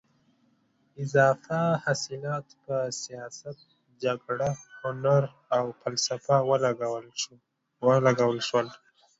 اضافه حاصلات په سیاست، جګړه، هنر او فلسفه ولګول شول.